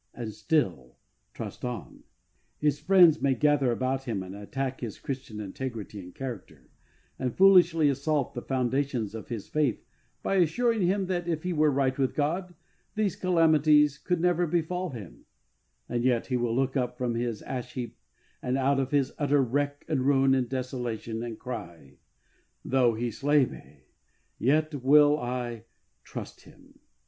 and still trust on. His friends may gather about him and attack his Christian integrity and character, and foolishly assault the foundations of his faith by assuring him that if he were right with God these calamities could never befall him, and yet he will look up from his ash heap and out of his utter wreck and ruin and desolation, and cry, "Though He slay me, yet will I trust Him."